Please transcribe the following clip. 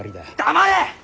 黙れ！